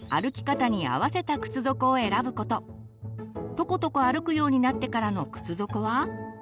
とことこ歩くようになってからの靴底は。